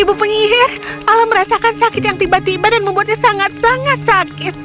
ibu penyihir alam merasakan sakit yang tiba tiba dan membuatnya sangat sangat sakit